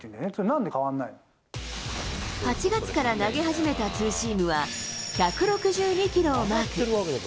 なんで変わらな８月から投げ始めたツーシームは１６２キロをマーク。